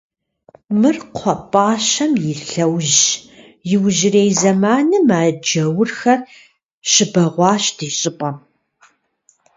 — Мыр кхъуэпӀащэм и лъэужьщ, иужьрей зэманым а джаурхэр щыбэгъуащ ди щӀыпӀэм.